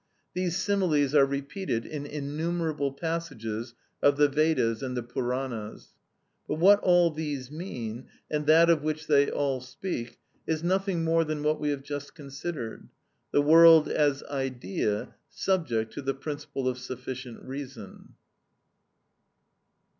(These similes are repeated in innumerable passages of the Vedas and the Puranas.) But what all these mean, and that of which they all speak, is nothing more than what we have just considered—the world as idea subject to the principle of sufficient reason.